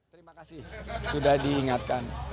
terima kasih sudah diingatkan